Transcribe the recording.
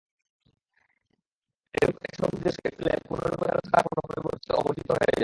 এরূপ এসব নির্দেশ এককালে পূর্ণরূপে চালু থাকার পর পরিবর্তিত ও বর্জিত হয়ে যায়।